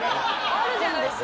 あるじゃないですか。